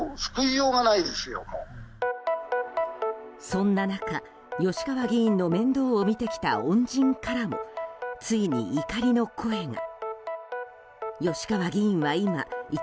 そんな中吉川議員の面倒を見てきた恩人からも、ついに怒りの声が。